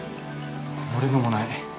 俺のもない。